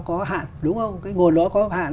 có hạn đúng không cái nguồn đó có hạn